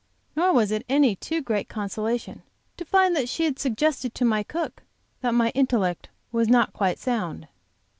Nor was it any too great a consolation to find that she had suggested to my cook that my intellect was not quite sound.